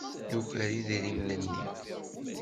Yuker idrimen-nni.